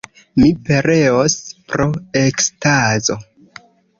Mi pereos pro ekstazo!